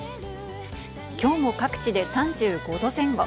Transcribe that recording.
今日も各地で３５度前後。